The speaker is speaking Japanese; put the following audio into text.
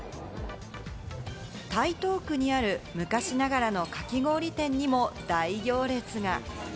台東区にある昔ながらのかき氷店にも大行列が。